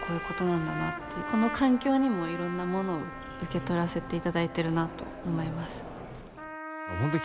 この環境にもいろんなものを受け取らせていただいてるなと思います。